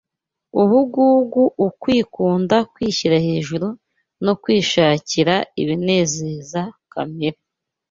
Ubugugu, ukwikunda, kwishyira hejuru no kwishakira ibinezeza kamere